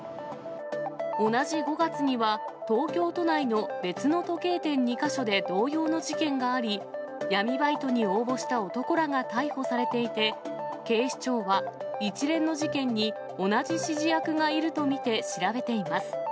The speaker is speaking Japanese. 同じ５月には、東京都内の別の時計店２か所で同様の事件があり、闇バイトに応募した男らが逮捕されていて、警視庁は一連の事件に同じ指示役がいると見て調べています。